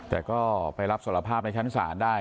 แต่ก็ไปรับสารภาพในชั้นศาลได้